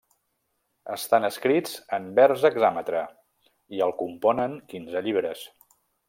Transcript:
Estan escrits en vers hexàmetre i el componen quinze llibres.